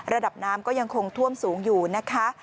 ระดับน้ำก็ยังคงท่วมสูงอยู่นะคะ